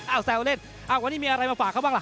แซวเล่นอ้าววันนี้มีอะไรมาฝากเขาบ้างล่ะ